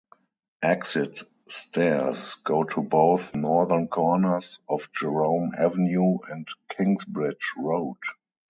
Exit stairs go to both northern corners of Jerome Avenue and Kingsbridge Road.